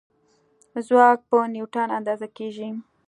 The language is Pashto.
ځواک په نیوټن اندازه کېږي.